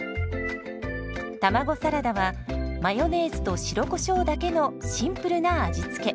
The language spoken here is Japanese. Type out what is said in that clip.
卵サラダはマヨネーズと白コショウだけのシンプルな味付け。